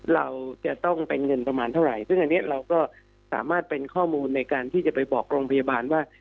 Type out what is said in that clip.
เราจะต้องเป็นเงินประมาณเท่าไหร่ซึ่งอันนี้เราก็สามารถเป็นข้อมูลในการที่จะไปบอกโรงพยาบาลว่า